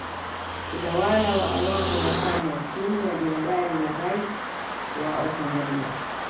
Utawala wa awamu ya tano chini ya Jemedari na Rais wa Watanzania